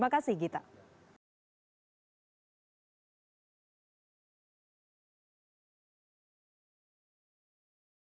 saya begitu senang sampai berwa tiba tiba